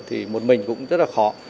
thì một mình cũng rất là khó